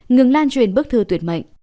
ngừng lan truyền bức thư tuyệt mệnh